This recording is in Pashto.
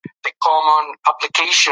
ملالۍ د جګړې په ډګر کې ولاړه ده.